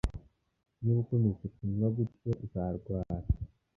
Niba ukomeje kunywa gutya, uzarwara